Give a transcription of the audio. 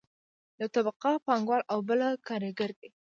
یوه طبقه پانګوال او بله کارګره ده.